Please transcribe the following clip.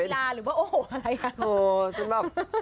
หรือว่าโอ้โหอะไรอย่างนั้น